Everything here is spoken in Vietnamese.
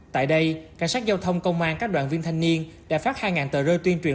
tại đây cảnh sát giao thông công an các đoàn viên thanh niên đã phát hai tờ rơi tuyên truyền